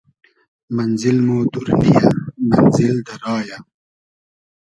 مئنزیل مۉ دور نییۂ مئنزیل دۂ را یۂ